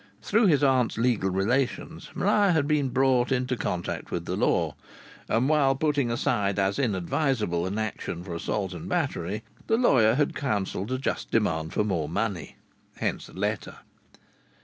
Through his aunt's legal relations Maria had been brought into contact with the law, and, while putting aside as inadvisable an action for assault and battery, the lawyer had counselled a just demand for more money. Hence the letter.